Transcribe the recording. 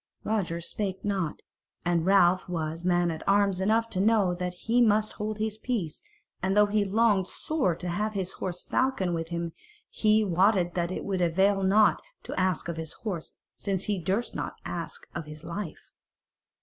Roger spake not, and Ralph was man at arms enough to know that he must hold his peace; and though he longed sore to have his horse Falcon with him, yet he wotted that it availed not to ask of his horse, since he durst not ask of his life.